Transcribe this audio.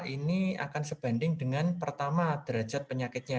ini akan sebanding dengan pertama derajat penyakitnya